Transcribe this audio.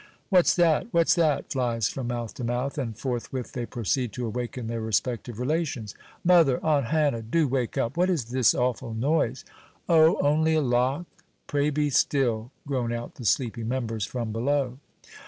"What's that! what's that!" flies from mouth to mouth; and forthwith they proceed to awaken their respective relations. "Mother! Aunt Hannah! do wake up; what is this awful noise?" "O, only a lock!" "Pray be still," groan out the sleepy members from below.